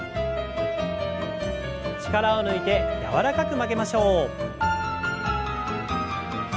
力を抜いて柔らかく曲げましょう。